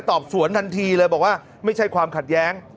สอบสวนทันทีเลยบอกว่าไม่ใช่ความขัดแย้ง